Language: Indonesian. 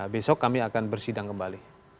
besok kami akan bersidang kembali